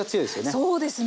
そうですね。